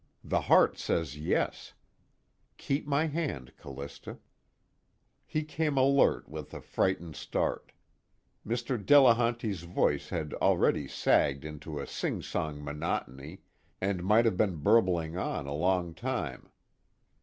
The heart says yes. Keep my hand, Callista._ He came alert with a frightened start. Mr. Delehanty's voice had already sagged into a singsong monotony, and might have been burbling on a long time.